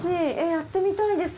やってみたいです。